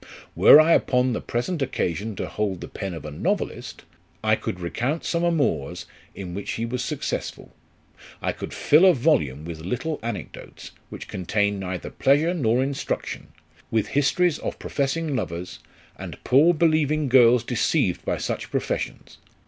"Were I upon the present occasion to hold the pen of a novelist, I could recount some amours, in which he was successful. I could fill a volume with little anecdotes, which contain neither pleasure nor instruction ; with histories of professing lovers, aiid poor believing girls deceived by such professions.